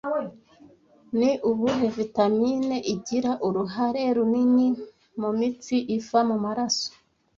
Ni ubuhe vitamine igira uruhare runini mu mitsi iva mu maraso